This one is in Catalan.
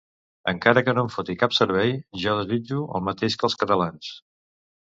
Encara que no em foti cap servei, jo desitjo el mateix que els catalans.